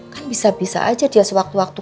kan bisa bisa aja dia sewaktu waktu